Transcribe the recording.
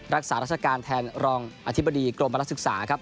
รักษารักษาการแทนรองอธิบดีกรมพลักษณ์ศึกษาครับ